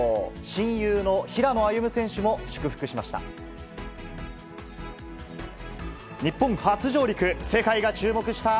親友の平野歩夢選手も祝福しました。